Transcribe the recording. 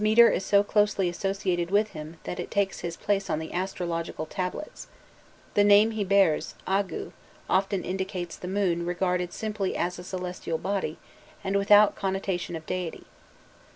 His mitre is so closely associated with him that it takes his place on the astrological tablets; the name he bears "agu" often indicates the moon regarded simply as a celestial body and without connotation of deity.